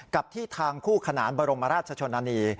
กับที่ทางคู่ขนานบรมราชชนนานี